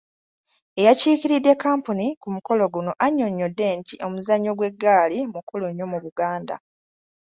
Eyakiikiridde kkampuni ku mukolo guno annyonnyodde nti omuzannyo gw’eggaali mukulu nnyo mu Buganda.